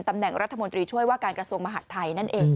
ตำแหน่งรัฐมนตรีช่วยว่าการกระทรวงมหาดไทยนั่นเอง